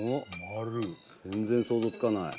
全然想像つかない。